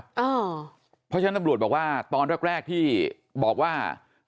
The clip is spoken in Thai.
เพราะฉะนั้นตำรวจบอกว่าตอนแรกที่บอกว่า